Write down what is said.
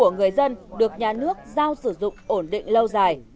của người dân được nhà nước giao sử dụng ổn định lâu dài